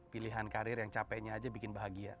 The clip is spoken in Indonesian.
pilihan karir yang capeknya aja bikin bahagia